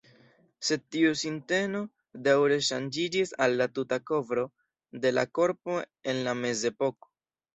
Sed tiu sinteno daŭre ŝanĝiĝis al tuta kovro de la korpo en la mezepoko.